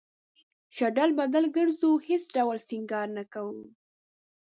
شډل بډل گرځو هېڅ ډول او سينگار نۀ کوو